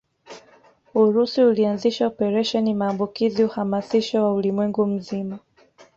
Urusi ulianzisha Operesheni maambukizi uhamasisho wa ulimwengu mzima